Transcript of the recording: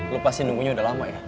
lo pasti nunggu udah lama ya